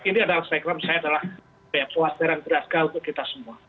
ini adalah saya kira saya adalah puas terang gerak segala untuk kita semua